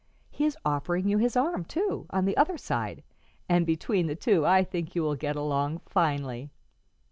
He is offering you his arm, too, on the other side, and between the two I think you will get along finely."